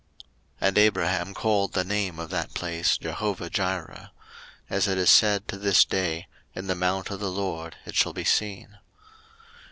01:022:014 And Abraham called the name of that place Jehovahjireh: as it is said to this day, In the mount of the LORD it shall be seen.